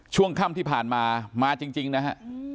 ช่วงค่ำที่ผ่านมามาจริงนะฮะ